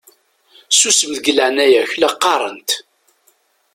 Susem deg leɛnaya-k la qqaṛent!